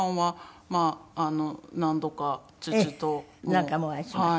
何回もお会いしました。